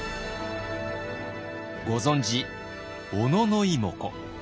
ご存じ小野妹子。